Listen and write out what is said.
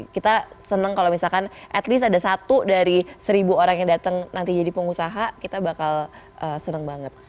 kita seneng kalau misalkan at least ada satu dari seribu orang yang datang nanti jadi pengusaha kita bakal seneng banget